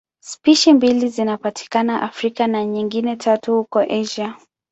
Spishi mbili zinapatikana Afrika na nyingine tatu huko Asia.